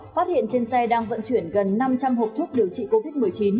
phát hiện trên xe đang vận chuyển gần năm trăm linh hộp thuốc điều trị covid một mươi chín